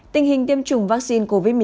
tình hình tiêm chủng vaccine covid một mươi chín